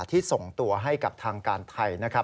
ที่ส่งตัวให้กับทางการไทยนะครับ